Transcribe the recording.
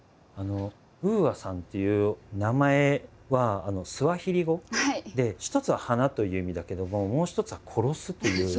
「ＵＡ」さんという名前はスワヒリ語で一つは「花」という意味だけどももう一つは「殺す」という意味。